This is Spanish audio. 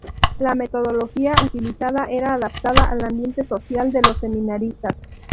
La metodología utilizada era adaptada al ambiente social de los seminaristas.